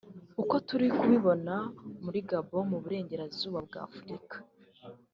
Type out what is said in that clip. uko turi kubibona muri Gabon mu Burengerazuba bwa Afurika